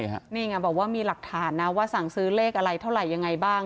นี่ไงบอกว่ามีหลักฐานนะว่าสั่งซื้อเลขอะไรเท่าไหร่ยังไงบ้าง